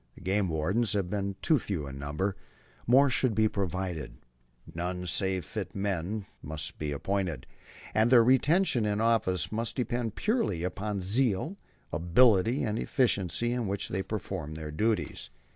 The game wardens have been too few in number. More should be provided. None save fit men must be appointed; and their retention in office must depend purely upon the zeal, ability, and efficiency with which they perform their duties.